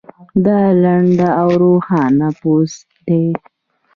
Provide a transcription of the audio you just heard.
دا لنډ او روښانه پوسټ دی